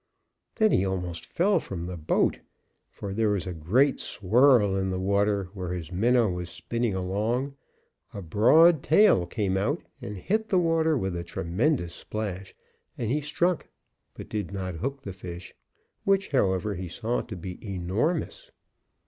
Then he almost fell from the boat, for there was a great swirl in the water where his minnow was spinning along, a broad tail came out and hit the water with a tremendous splash, and he struck but did not hook the fish, which, however, he saw to be enormous.